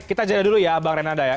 kita jeda dulu ya bang renanda ya